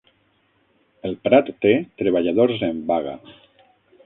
El Prat té treballadors en vaga